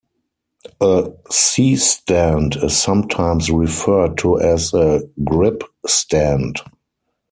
A C-stand is sometimes referred to as a "grip stand".